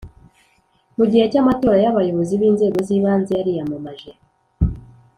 Mu gihe cy’amatora y’abayobozi b’inzego z’ibanze yariyamamaje